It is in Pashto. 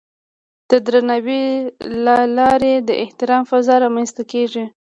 د درناوي له لارې د احترام فضا رامنځته کېږي.